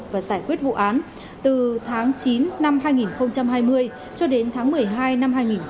và giải quyết vụ án từ tháng chín năm hai nghìn hai mươi cho đến tháng một mươi hai năm hai nghìn hai mươi